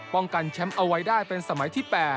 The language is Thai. ป้องกันแชมป์เอาไว้ได้เป็นสมัยที่๘